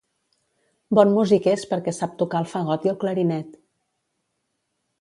Bon músic és perquè sap tocar el fagot i el clarinet.